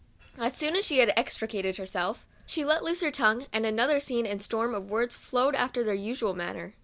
As soon as she had extricated herself, she let loose her tongue, and another scene and storm of words followed after their usual manner.